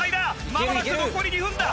まもなく残り２分だ！